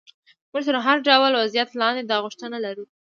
موږ تر هر ډول وضعیت لاندې دا غوښتنه لرو.